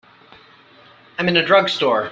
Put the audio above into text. I'm in a drugstore.